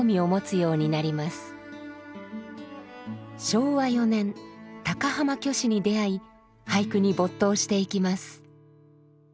昭和４年高浜虚子に出会い俳句に没頭していきます。